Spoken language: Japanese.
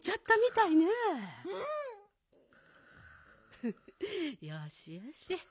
フフよしよし。